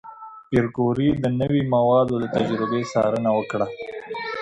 پېیر کوري د نوې موادو د تجربې څارنه وکړه.